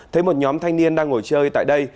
thấy một nhóm thanh niên đang ngồi chơi tại đây